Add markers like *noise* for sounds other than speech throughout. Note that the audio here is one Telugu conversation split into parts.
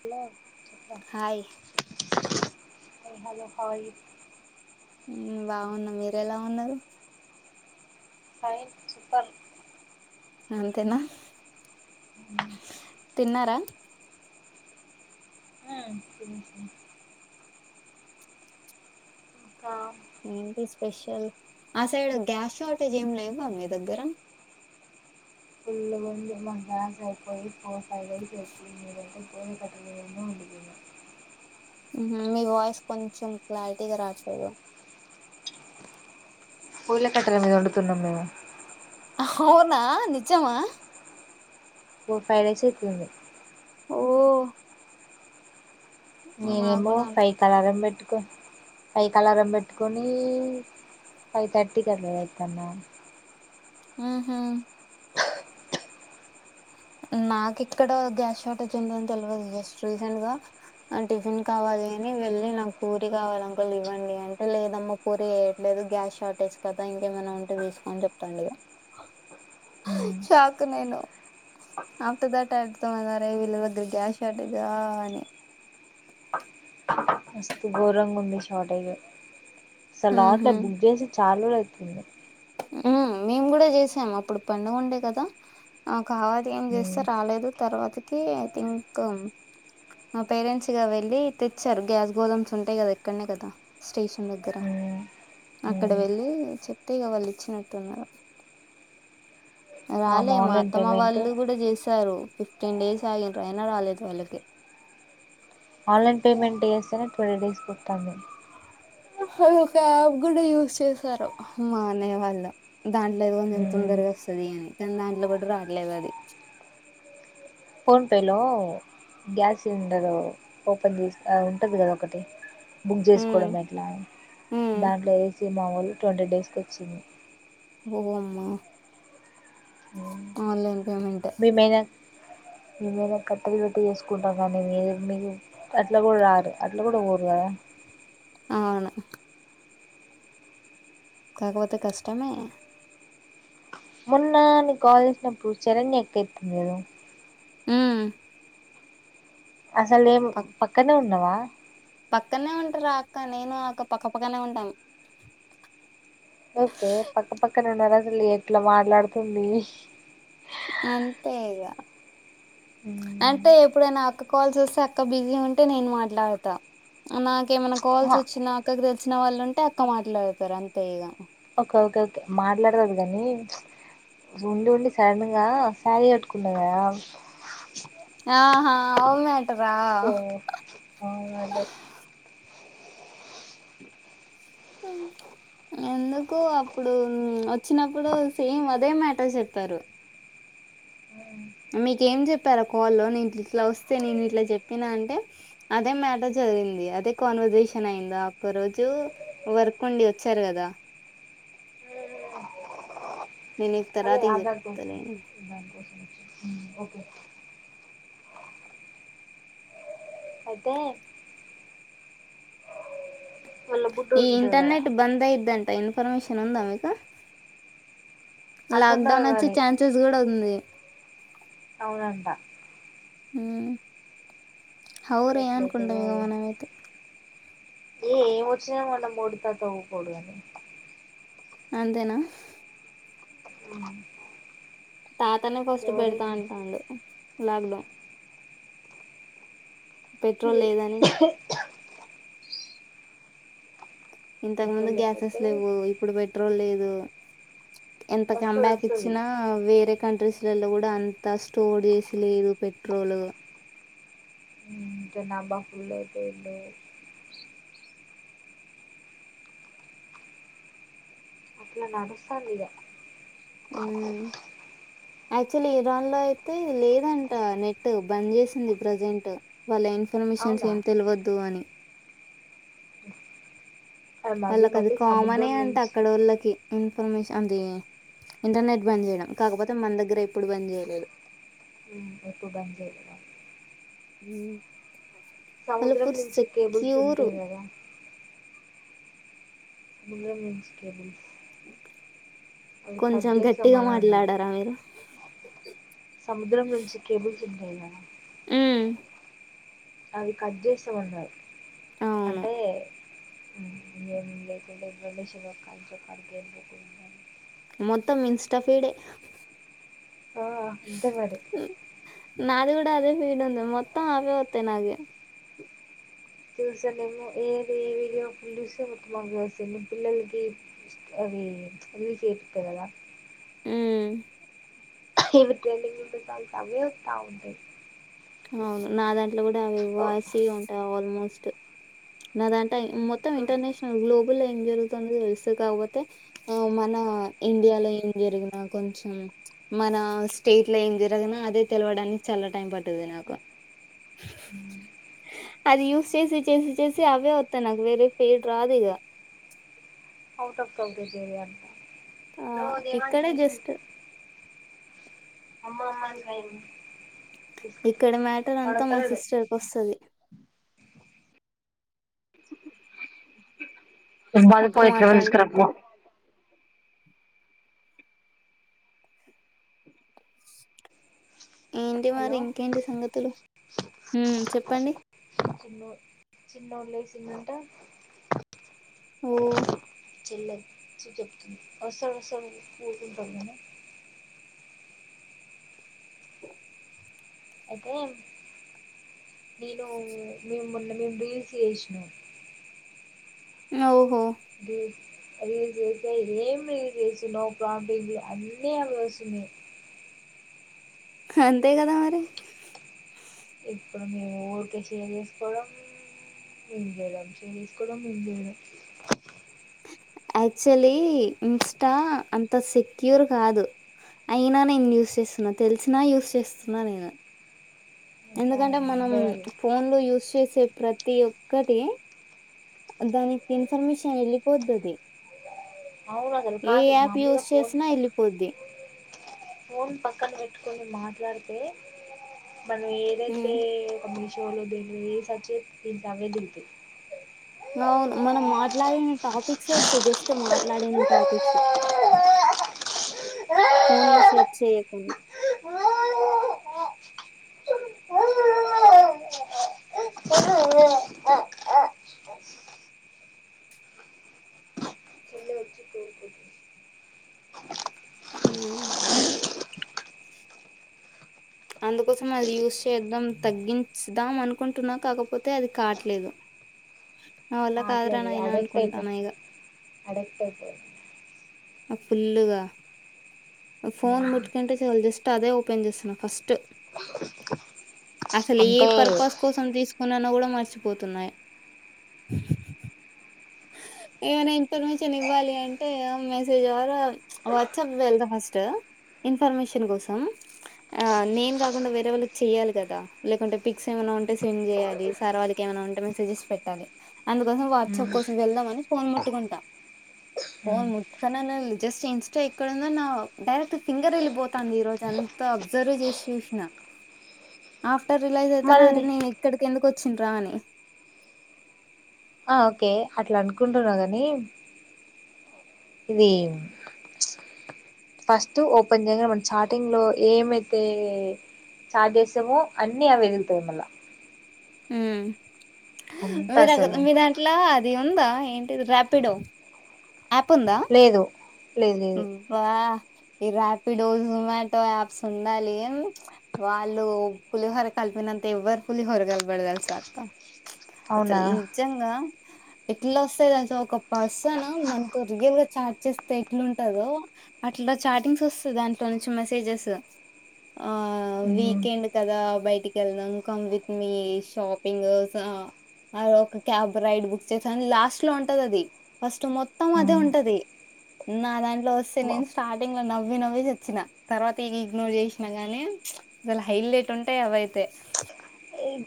హలో హాయ్ హలో హాయి బాగున్న మీరు ఎలా ఉన్నారు ఫైన్ సూపర్ అ అంతేనా అ న్నారా ఆ తినేసినాం కా ఏంటి స్పెషల్ ఆ సైడ్ గ్యాస్ షార్టేజ్ ఏమి లేవా మీ దగ్గర ఫుల్లుగా ఉంది మా గ్యాస్ అయిపోయి ఆ సైడికితు మీ *inaudible* మేము కట్టెల పొయ్యి మీద వండుకున్నాం మీ వాయిస్ కొంచెం క్లారిటీగా రాట్లేదు పొయిల కట్టల మీద వండుతున్నము అవునా నిజమా *inaudible* ఫైవ్ డేసే ఇట్లుంది ఓ నాకు నేనేమో కూడా అన్- సాయికి అలారం పెట్టుకుని ఫైకు అలారం పెట్టుకుని ఫై‌ తర్టీ కట్ల లేస్తున్న ఊహూ నాకు ఇక్కడ గ్యాస్ షార్టేజ్ ఉందిని తెలియదు జస్ట్ రీసెంట్ గా టిఫిన్ కావాలి అని వెళ్ళి నాకు పూరి కావాలి అంకోల్ ఇవ్వండి అంటే లేదమ్మా పూరి వేయట్లేదు గ్యాస్ షార్టేజ్ కదా ఇంకేమైనా ఉంటే వేసుకొని చెప్తాండె షాక్ నేను ఆప్త దాట ఆడతామందారే విల్గ గ్యాష్ ఆడద అని మస్తు ఘోరంగా ఉంది షార్టేజ్ ఉహు సలాడ్లబుజే సి చాలా రోజులు అవుతుంది మేము కూడా చేసాం అప్పుడు పడుగ ఉండే కదా కావాత ఏం చేస్తా రాలేదు తర్వాతకి ఐ థింక్ మా పేరెంట్స్గా వెళ్ళి తెచ్చారు గ్యాస్ గోధామ్స్ ఉంటాయి కదా ఇక్కడనే కదా స్టేషన్ దగ్గర అక్కడ వెళ్ళి చెప్ అంతేగా వాళ్ళు ఇచ్చినట్టున్నారు రాలే మా ఆన్లైన్ అత్తమ్మ పేమెంట్ వాళ్ళు కూడా చేసారు ఫిఫ్టీన్ డేస్ ఆగనరా అయినా రాలేదు వాళ్ళకి ఆన్లైన్ పేమెంట్ చేస్తేనే ట్వల్ డేస్ కొత్త అంది అది ఒక యాప్ కూడా యూజ్ చేసారు మా అన్నయ్య వాళ్ళ దాంట్లోది కొంచెం తొందరగా వస్తుది అని కానీ దాంట్లో కూడా రాలలేదు అది ఫోన్పేలో గ్యాస్ సిలిండరు ఓపెన్ చేసి ఉంటుంది కదా ఒకటి బుక్ చేసుకోవడం ఎట్లా దాంట్లో సినిమా వాోళ ట్వంటీ డేస్కి వచ్చింది అ అమ్మ అన్లైన్ పేమట్ మేమేద కట్టరి పెట్టి చేసుకుంటాం కానీ మీ మీకు అట్లా కూడా రారు అట్లా కూడా పోరు కదా అవును కాకపోతే కష్టమే. మొన్న నీకు కాల్ చేసినప్పుడు శరణ్య అక్క ఎత్తిందిగా ఊ అసలు ఈ పక్కనే ఉం అవా పక్కనే ఉంటార అక్క నేను అక్క పక్కపక్కనే ఉంటాము. ఓకే పక్కపక్కన ఉన్నారు అసలు ఎట్లా మాట్లాడుతుంది. అంతేే ఇగా అంటే ఎప్పుడైనా అక్క కాల్స్ వస్తే అక్క బిజీ ఉంటే నేను మాట్లాడతా నాక్ ఏమన్నా కాల్స్ వచ్చినా అక్క తేలిసి వచ్చిన వాళ్ళు ఉంటే అక్క మాట్లాడతారు అంతే ఇగా ఒకే ఓకే మాట్లాడతది కానీ, ఉండి ఉండి సడన్ గా సారీ కట్టుకున్న కదా. ఆహా అవున ఓ అవును అదే హు ఎందుకు అప్పుడు వచ్చినప్పుడు సేమ్ అది అదే మ్యాటర్ చెప్పారు. మీకు ఏం చెప్ప పెరకాల్లో ఇట్లా వస్తే నేను ఇట్లా చెప్పినా అంటే, అదే మ్యాటర్ జరిగింది. అదే కాన్వర్జేషన్ అయిందా. ఒక్క రోజు వర్క్ ఉండి వచ్చారు కదా. విను అదే ఆధార్ కోసం హు ఓకే అయితే వాళ్ళ ఈ బుడ్డోడు ఉంటాడు కదా ఇంటర్నెట్ బందయిదంట ఇన్ఫర్మేషన్ ఉందా మీకు లాక్ అంటున్నారు డౌన్ వచ్చే మరి ఛాన్సెస్ కూడా ఉంది. అవునంట. ఊ హౌరే అనుకుంటా ఎట్లయితదో ఇగా మనమైతే ఏ ఏం వచ్చిన మన బుడత అయితే ఊకోడుగని అంతేనా ఊ తాతనే ఫస్ట్ పెడతా అంటాండు లాక్ డౌన్ ఇంతకు ముందు పెట్రోల్ గ్యాసెస్ లేకపోతే లేవు. ఇప్పుడు పెట్రోల్ లేదు. ఎంత వస్తది కమ్బ్యాక్ వస్తది ఇచ్చినా వేరే కంట్రీస్ లలో కూడా అంత స్టోరేస్ లేదు. పెట్రోల్ ఉమ్ మా బాప్ గులైపోయిండే అట్ల నడుస్తంది ఇగ ఉమ్, యాక్చువల్లీ ఇరాన్ లో అయితే లేదంట నెట్ బంద్ జెసింది ప్రజెంట్ వాళ్ళ ఇన్ న్ఫర్మిషన్స్ అవునా ఏం తెలవద్దు అని వాళ్ళకి అది మళ్ళీ కామనే సముద్రం అంటే నుంచి అక్కడ వోళ్ళకి ఇన్ఫర్మేషన్ అది ఇంటర్నెట్ బంద్ జేయడం. కాకపోతే మన దగ్గర ఎప్పుడు బంద్ జెయలేదు. ఎప్పుడు బంద్ జేయలే ద హ్ సముద్రం నుంచి కేబుల్స్ ఉంటాయి. గాదా జియో *unintelligible* కేబుల్ కొంచెం గట్టిగా చేస్తామని అన్నారు మాట్లాడారా మీరు ఓే సముద్రం నుంచి *unintelligible* హ్ అది కట్ చేస్తా మాన్నారు. అవును అంటే *unintelligible* మొత్తం ఇన్స్టాఫీడే ఆ అంతే మరి నాది కూడా అదే ఫీడ్ ఉంది. మొత్తం ఆవే వొత్తాయి. నాగే చూసానేమో ఏది ఏ వీడియో ఫుల్ చూస్తే మొత్తం ఆవే వస్తాయి. పిల్లలకి అవి రీల్స్ చేపిత్తం గా దా ఉమ్ ఇవి ట్రెండింగ్ ఉంటె చాలు ఇక అవే వస్తా ఉంటాయి. అవును నాదాన్ ట్లో కూడా అవి *unintelligible* ఉంటాయి ఆల్మో స్ట్ నాదా మొత్తం ఇంటర్నేషనల్ గ్లో ఊళ్ళో ఏం జరుగుతుందో తెలుస్తది. కాకపోతే మన ఇండియాలో ఏం జరిగినా కొంచెం మన స్టేట్ లో ఏం జరిగినా అదే తెలవడానికి చాలా టైం పడతాది నాకు ఉ అది యూస్ చేసి చేసి చ్చేసి అవే వొత్తన్నై నాకు వేరే ఫీడ్ రాదు ఇగా ఆవుట్ ఆఫ్ కంక్లూజన్ నే అంట ఆ ఇక్కడే జస్ట్ అమ్మ అమ్మ అంటాడు ఇక్కడ మ్యాటర్ అంతా మా వత్తలేడు సిస్టర్ కి వోస్తది. అప్పుడు మాట్లాడుకుంటాం *unintelligible* ఏంటి మరి హలో ఇంకేంటి సంగతులు ఉ చెప్పండి చిన్నోడు లేసిండంట ఓ చెళ్ళే వచ్చి చెప్తుంది అసలు అసలు కూర్తుంటాం గని ఓకే నేను మేము మొన్న మీము రీల్స్ చేసినం ఆవు బ రెల్స్ చేస్తే ఏం రిల్స్ చేస్తున్నావు ప్రంది అన్నీ అవె వస్తున్నాయి అంతే కదా మరి ఇప్పుడు మేము ఊరికే చేసుకోవడం మేము చేద్దం ేర్ చేసుకోవడం మేము చేలేం యాక్చువలీ ఇన్స్టా అంత సెక్యూర్ కాదు అయినా నేను యూస్్ చేస్తున్నా తెలిసినా యూస్్ చేస్తున్నా నేను ఇంకా ఎందుకంటే మనం అందరు వాళ్ళ ఫోన్ లో యూజ్ చేసే ప్రతి ఒక్కటి దానికి ఇన్ఫర్మేషన్ వెళ్ళిపోతది అవును అసలు ఏ కాదు యాప్ మామూలుగా యూజ్ ఫోన్ చేసినా పక్- వెళ్ళిపోద్ది ఫోన్ పక్కన పెట్టుకొని మాట్లాడితే మనం ఏదైతే హ్మ్. గమ లో ద ఏసచ్చే ఇజామే ద అవును మనం మాట్లాడిన టాపిక్స్ ఏ వస్తాయి జస్ట్ మాట్లాడిన టాపిక్స్ ఫోన్ లో సెర్చ్ చేయకుండా చెల్లి వచ్చి కోరుకుంటుంది మ్ అందుకోసం అది యూస్ చేద్దాం తగ్గించుద్దాం అనుకుంటున్నా కాకపోతే అది కాట్లేదు నా వల్ల కావట్లేదు కాదరానియినా అనుకుంటాన ఇగ అడపుపోయింది ఫుల్లుగా ఫోన్ ముట్కంటే చాలు జస్ట్ అదే ఓపెన్ చేస్తున్నా ఫస్ట్ అసలు ఏ అంతే పర్పస్ కోసం తీసుకో కొన్నాన్న కూడా మర్చిపోతున్నా ఏమైనా ఇన్ఫర్మేషన్ ఇవ్వాలి అంటే మెసేజ్ ద్వారా వాట్సాప్ వెల్తా ఫస్ట్ ఇన్ఫర్మేషన్ కోసం నేను కాకుండా వేరే వాళ్ళకి చెయాలి కదా లేకుంటే పిక్స్ ఏమైనా ఉంటే సెండ్ చేయాలి సార్ వాళ్ళకి ఏమైనా ఉంటే మెసేజెస్ పెట్టాలి అందుకోసం వాట్సాప్ ఉమ్, కోసం వెళ్దాంని ఫోన్ ముట్టుకుంటా ఉమ్. ఫోన్ ముట్కున్నా జస్ట్ ఇన్స్టా ఎక్కడందో నా డైరెక్ట్ ఫింగర్ వెళ్ళిపోతంది ఈ రోజు అంతా అబ్జర్వ్ చేసి చూసిన ఆ రిలైజ్వుతానా అరే మళ్ళీ నేను ఇక్కడికి ఎందు వచ్చ చ్చినరా అని ఆ ఓకే అట్లా అనుకుంటున్నావు గాని ఇది ఫస్ట్ ఓపెన్ చేయగానే మన చార్టింగ్ లో ఏమైతే చార్ట్ చేసామో అన్ని అవేగుతాయి మళ్ళా హు అంతా మీరు అసలు మీ దాంట్లో అది ఉందా ఏంటిది రాపిడో ఆయాప్ ఉందా లేదు లేదు లేదు వా ఈ ర్యాపిడో జొమాటో యాప్స్ ఉండాలి వాళ్ళు పులిహోర కలిపినంత ఎవ్వరు పులిహోర కలపరు తెలుసా అక్క అవునా అసలు నిజంగా ఎట్లా వస్తది అసొ ఒక పర్సన్ మనతో రియల్ గా చాట్ చేస్తే ఎట్లుంటాదో అట్లా చాటింగ్స్ వస్తది దాంట్లో నుంచి మెసేజెస్ ఆ ఉహు వీకెండ్ కదా బయటికి వెలదాం ఇంకా విత్ మీ షాపింగ్ ఒక క్యాబ్ రైడ్ బుక్ చేసాని లాస్ట్ లో ఉంటాది అది ఫస్ట్ మొత్తం అదే ఉ ఉంటది నా దాంట్లో వస్తే నేను స్టార్టింగ్ లో నవ్వి నవ్వి చచ్చినా తర్వాత ఇ ఇగ్నోర్ చేసినా గాని అసలు హైలెట్ ఉంటాయి అవైతే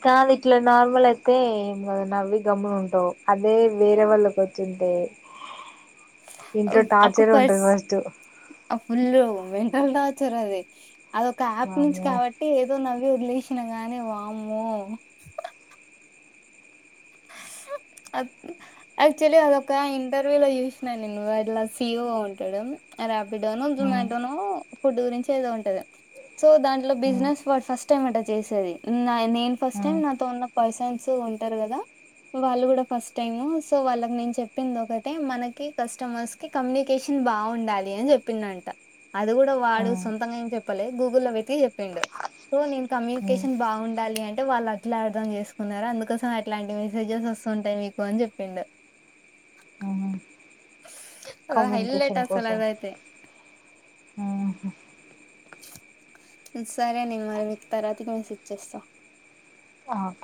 కాదు ఇట్లా నార్మల్ అయితే ఏం కదా నవ్వి గమ్మున ఉంటావు అదే వేరే వాళ్ళకి వచ్చింది అంటే ఇంట్లో ఒక టార్చర్ పర్స్ ఉంటాది ఫస్టు ఆ! ఫుల్లు మెంటల్ టార్చర్ అదే అదొ యాప్ నుంచి వామ్మో కాబట్టి ఏదో నవ్ రిలేషన్ గాని వామ్మో యాక్చువలీ అదొక ఇంటర్వ్యూ లో చూసినా నేను అట్లా సి ఇ ఓ ఉంటాడు రాపిడానో ఉ జొమోట ఉ నో ఫుడ్ గురించి ఏదో ఉంటది సో దాంట్లో బిజినెస్ ఉ ఫస్ట్ టైమ్ అట చేసేది నేను ఫస్ట్ టైం నాతో ఉన్న పర్సన్స్ ఉంటారు కదా వాళ్ళు కూడా ఫస్ట్ టైము సో వాళ్ళకి నేను చెప్పింది ఒకటే మనకి కస్టమర్స్ కి కమ్యూనికేషన్ బాగుండాలి అని చెప్పిందంట అది కూడా ఉ వాడు సొంతంగా ఏం చెప్ చెప్పలే గూగుల్లో వెతికి చెప్పిండు సో నేను ఉ కమ్యూనికేషన్ బాగుండాలి అంటే వాళ్ళ ఇట్లా అర్థం చేసుకున్నారు అందుకోసం అట్లాంటివి రిజల్ట్వస్తంటాయి మీకు అని చెప్పిండు హా హా అద హైలైట్ అస్సలు కోసం అదైతే ఉహు సరే నేను మరి మీకు తర్వాతికి మెసేజ్ చేస్తా ఆ ఓకే